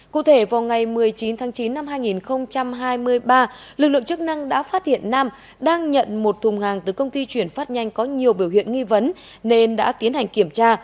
cụ thể vào ngày một mươi chín tháng chín năm hai nghìn hai mươi ba lực lượng chức năng đã phát hiện nam đang nhận một thùng hàng từ công ty chuyển phát nhanh có nhiều biểu hiện nghi vấn nên đã tiến hành kiểm tra